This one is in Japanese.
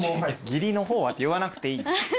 「義理の方は」って言わなくていい。